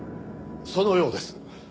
そのようです。